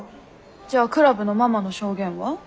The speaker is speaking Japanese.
じゃあクラブのママの証言は？